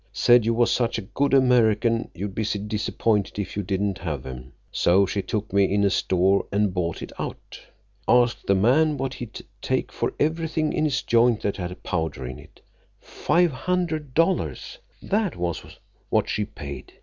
Said you was such a good American you'd be disappointed if you didn't have 'em. So she took me in a store an' bought it out. Asked the man what he'd take for everything in his joint that had powder in it. Five hundred dollars, that was what she paid.